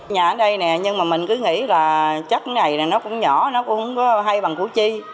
nhà ở đây nè nhưng mà mình cứ nghĩ là chất này nó cũng nhỏ nó cũng hay bằng của chi